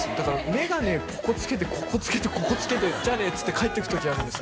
眼鏡ここつけてここつけてここつけて「じゃあね」っつって帰ってくときあるんです